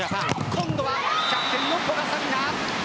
今度は、キャプテンの古賀紗理那。